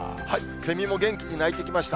セミも元気に鳴いてきました。